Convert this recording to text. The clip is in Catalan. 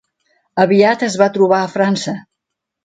Aviat es va trobar a França.